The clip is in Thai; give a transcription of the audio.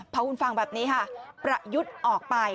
พระหุ่นฟางแบบนี้ประยุดออกไป